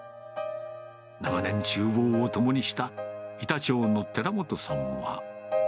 長年、ちゅう房を共にした板長の寺本さんは。